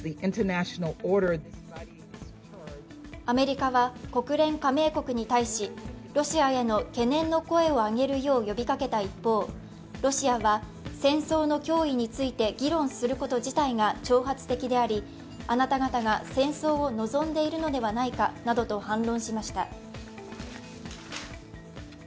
アメリカは国連加盟国に対し、ロシアへの懸念の声を上げるよう呼びかけた一方、ロシアは戦争の脅威について議論すること自体が挑発的でありあなた方が戦争を望んでいるのではないかなどと反論しました。